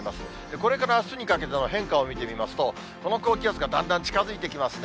これからあすにかけての変化を見てみますと、この高気圧がだんだん近づいてきますね。